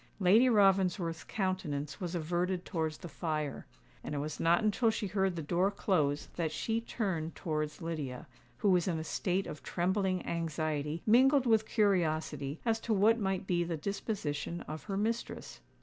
Lady Ravensworth's countenance was averted towards the fire; and it was not until she heard the door close that she turned towards Lydia, who was in a state of trembling anxiety, mingled with curiosity, as to what might be the disposition of her mistress.